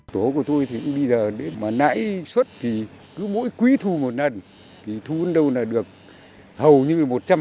tổ của tôi thì bây giờ nãy xuất thì cứ mỗi quý thu một lần thì thu vốn đâu là được hầu như một trăm linh